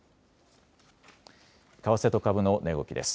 為替と株の値動きです。